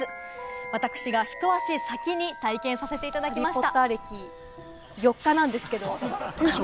私がひと足先に体験させていただきました。